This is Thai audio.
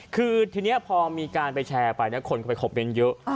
คือทีนี้พอมีการไปแชร์ไปนะคนก็ไปคอมเมนต์เยอะ